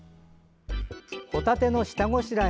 帆立ての下ごしらえ。